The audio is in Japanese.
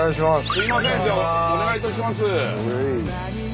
すいませんじゃあお願いいたします。